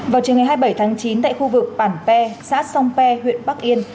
vào chiều ngày hai mươi bảy tháng chín tại khu vực bản pè xã song pè huyện bắc yên